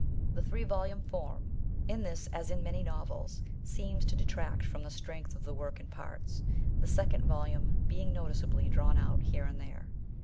The three volume iorm, in this as in many novels, seems to detract from the strength of the work in parts, the second volume being noticeably drawn oat here and there.